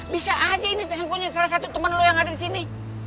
bisa aja ini jangan punya salah satu teman lo yang ada di sini